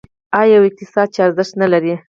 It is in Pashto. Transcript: آیا یو اقتصاد چې ارزښت نلري؟